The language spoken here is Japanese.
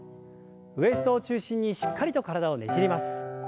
ウエストを中心にしっかりと体をねじります。